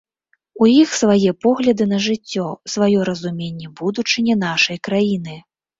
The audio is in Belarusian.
У іх свае погляды на жыццё, сваё разуменне будучыні нашай краіны.